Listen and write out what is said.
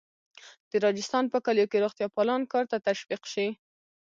د راجستان په کلیو کې روغتیاپالان کار ته تشویق شي.